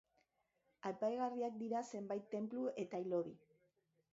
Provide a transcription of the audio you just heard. Aipagarriak dira zenbait tenplu eta hilobi.